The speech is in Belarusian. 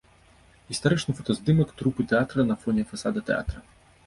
Гістарычны фотаздымак трупы тэатра на фоне фасада тэатра.